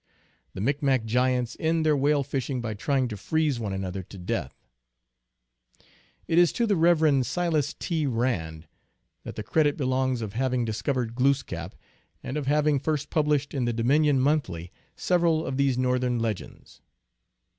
The Micmac giants end their whale fishing by trying to freeze one another to death. It is to the Kev. Silas T. Eand that the credit be longs of having discovered Glooskap, and of having first published in the Dominion Monthly several of these Northern legends.